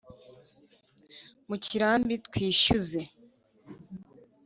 mu kirambi twishyuze